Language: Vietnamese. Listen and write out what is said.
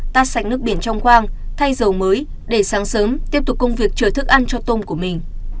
tát sạch nước biển trong khoang thay dầu mới để sáng sớm tiếp tục công việc chở thức ăn cho tôm của mình